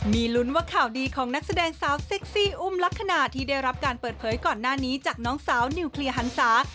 มีลุ้นว่าข่าวดีของนักแสดงสาวเซ็กซี่อุ้มลักษณะที่ได้รับการเปิดเผยก่อนหน้านี้จากน้องสาวนิวเคลียร์หันศา